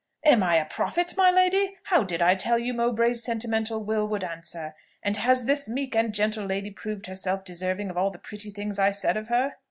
"Am I a prophet, my lady? how did I tell you Mowbray's sentimental will would answer? And has this meek and gentle lady proved herself deserving of all the pretty things I said of her?"